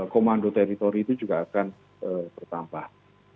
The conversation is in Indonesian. komando teritori itu juga akan bertambah